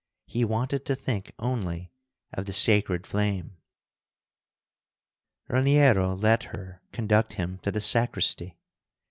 He wanted to think only of the sacred flame. Raniero let her conduct him to the sacristy.